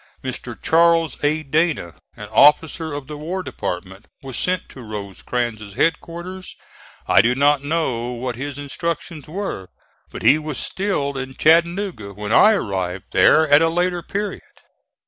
Mr. Charles A. Dana, an officer of the War Department, was sent to Rosecrans' headquarters. I do not know what his instructions were, but he was still in Chattanooga when I arrived there at a later period.